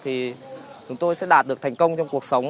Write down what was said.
thì chúng tôi sẽ đạt được thành công trong cuộc sống